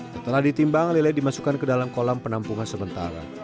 setelah ditimbang lele dimasukkan ke dalam kolam penampungan sementara